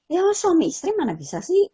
ya suami istri mana bisa sih